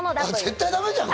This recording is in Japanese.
絶対だめじゃん！